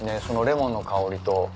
そのレモンの香りと。